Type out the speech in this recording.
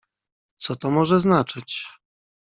"Co to może znaczyć?"